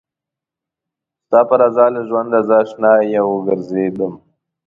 ستا په رضا له ژونده زه اشنايه وګرځېدم